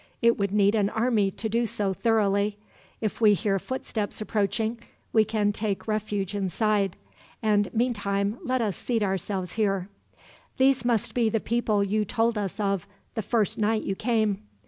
It would need an army to do so thoroughly. If we hear footsteps approaching, we can take refuge inside; and meantime, let us seat ourselves here. "These must be the people you told us of, the first night you came."